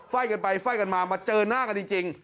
ไฟ่กันไปไฟ่กันมามาเจอหน้ากันจริง